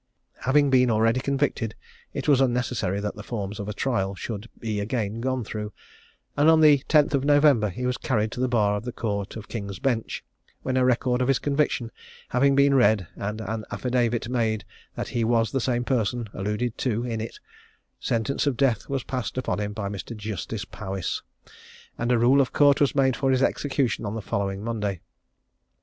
Having been already convicted, it was unnecessary that the forms of a trial should be again gone through, and on the 10th of November he was carried to the bar of the Court of King's Bench; when a record of his conviction having been read, and an affidavit made that he was the same person alluded to in it, sentence of death was passed upon him by Mr. Justice Powis, and a rule of court was made for his execution on the following Monday.